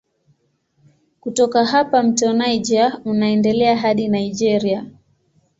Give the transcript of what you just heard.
Kutoka hapa mto Niger unaendelea hadi Nigeria.